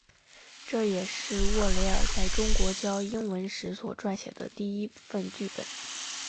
这也是沃雷尔在中国教英文时所撰写的第一份剧本。